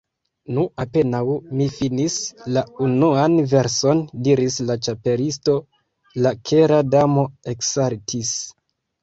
"Nu, apenaŭ mi finis la unuan verson," diris la Ĉapelisto, "la Kera Damo eksaltis. »